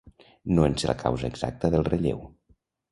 No en sé la causa exacta, del relleu.